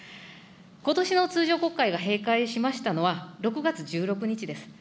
ことしの通常国会が閉会しましたのは６月１６日です。